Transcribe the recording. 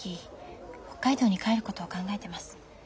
北海道に帰ることを考えてます。